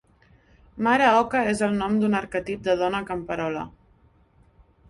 Mare Oca és el nom d'un arquetip de dona camperola.